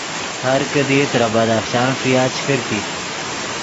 ہر کیدی ترے بدخشان ݰویا چے کرکیت